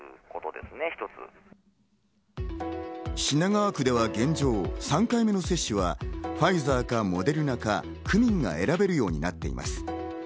品川区では現状、３回目の接種はファイザーかモデルナか区民が選べるようになっています。